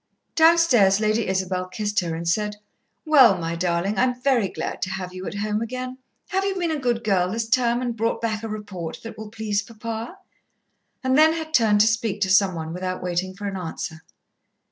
Downstairs, Lady Isabel kissed her, and said, "Well, my darling, I'm very glad to have you at home again. Have you been a good girl this term, and brought back a report that will please papa?" and then had turned to speak to some one without waiting for an answer.